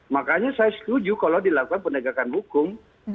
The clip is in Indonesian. makanya saya setuju kalau dilakukan penegakan hukum